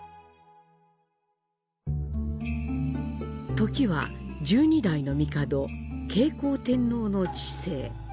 時は十二代の帝・景行天皇の治世。